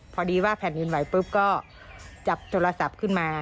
พอดีว่าแผ่นดินไหวปุ๊บก็จับโทรศัพท์ขึ้นมา